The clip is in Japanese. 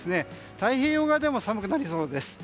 太平洋側でも寒くなりそうです。